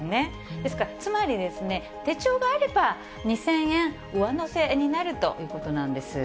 ですから、つまりですね、手帳があれば２０００円上乗せになるということなんです。